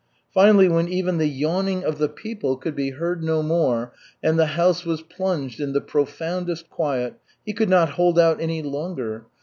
Finally, when even the yawning of the people could be heard no more, and the house was plunged in the profoundest quiet, he could not hold out any longer.